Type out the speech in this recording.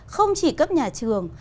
không chỉ cấp nhà trường